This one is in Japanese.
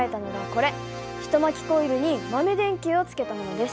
一巻きコイルに豆電球をつけたものです。